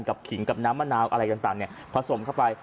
ขิงกับน้ำมะนาวอะไรต่างผสมเข้าไป